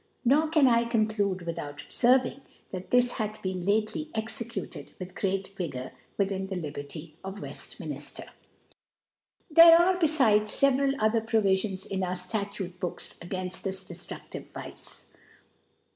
,Nor can I conclude without obferving, that ^this harh been lately executed with great Vi* gour within the Liberty of WeAminfter. There are, befrdes, ft veral other Provi ffions in our Statute Books againft this dc ; ftruflive Vice.